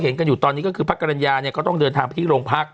เห็นกันอยู่ตอนนี้ก็คือพักการณญาเนี่ยก็ต้องเดินทางพิศิษย์โรงพัก